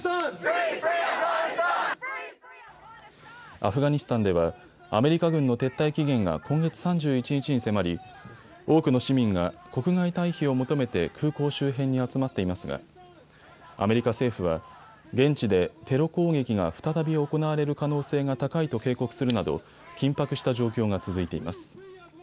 アフガニスタンではアメリカ軍の撤退期限が今月３１日に迫り多くの市民が国外退避を求めて空港周辺に集まっていますがアメリカ政府は現地でテロ攻撃が再び行われる可能性が高いと警告するなど緊迫した状況が続いています。